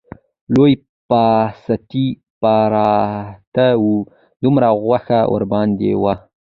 لوی پاستي پراته وو، دومره غوښه ورباندې وه